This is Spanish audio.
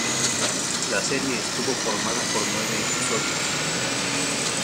La serie estuvo formada por nueve episodios.